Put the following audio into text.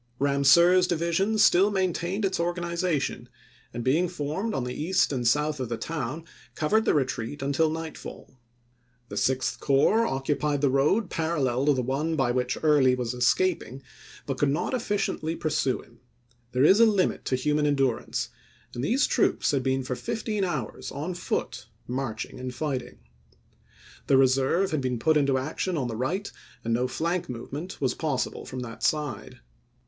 Eamseur's division still maintained its organiza tion, and being formed on the east and south of the town covered the retreat until nightfall. The Sixth Corps occupied the road parallel to the one by which Early was escaping but could not efficiently pursue him. There is a limit to human endurance, and these troops had been for fifteen hours on foot, marching and fighting. The reserve had been put into action on the right and no flank movement was possible from that side.